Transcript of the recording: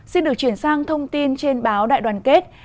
xin được chuyển sang thông tin trên báo đại đoàn kết